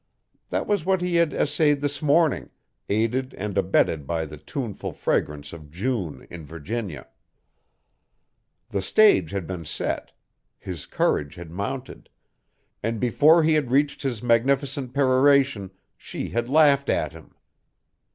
That was what he had essayed this morning, aided and abetted by the tuneful fragrance of June in Virginia. The stage had been set his courage had mounted and before he had reached his magnificent peroration, she had laughed at him.